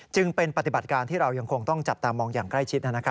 จึงเป็นปฏิบัติการที่เรายังคงต้องจับตามองอย่างใกล้ชิด